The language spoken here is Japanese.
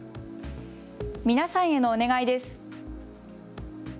皆さんへのお願いです。